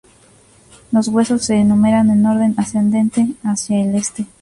Los husos se numeran en orden ascendente hacia el este.